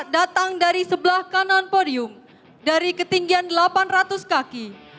datang dari sebelah kanan podium dari ketinggian delapan ratus kaki